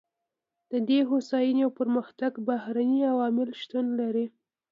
د دې هوساینې او پرمختګ بهرني عوامل شتون لري.